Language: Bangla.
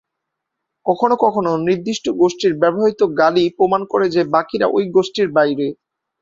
কখনো কখনো নির্দিষ্ট গোষ্ঠীর ব্যবহৃত গালি প্রমাণ করে যে বাকিরা ঐ গোষ্ঠীর বাইরে।